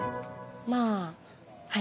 まぁはい。